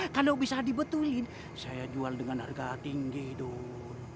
kalau bisa dibetulin saya jual dengan harga tinggi dong